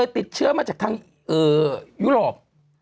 ติดเชื้อมาจากทางยุโรป